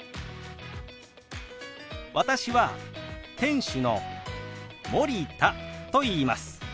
私は店主の森田といいます。